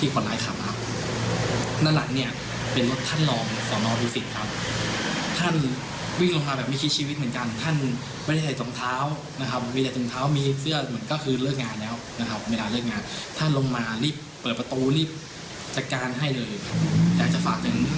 ฟังเสียงเจ้าของคลิปหน่อยฮะ